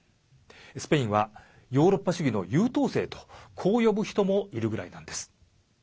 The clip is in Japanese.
スペインはヨーロッパ主義の優等生とこう呼ぶ人もいるぐらいなんです。